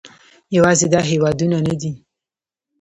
یوازې دا هېوادونه نه دي